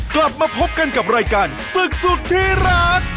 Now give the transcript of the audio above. กลับมาพบกันกับรายการศึกสุดที่รัก